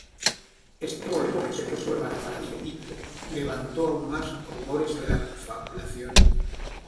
Este golpe de suerte para Zedillo, levantó aún más rumores de la confabulación.